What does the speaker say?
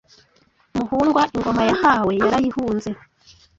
Muhundwa ingoma yahawe yarayihunze